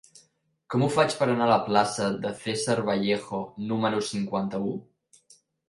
Com ho faig per anar a la plaça de César Vallejo número cinquanta-u?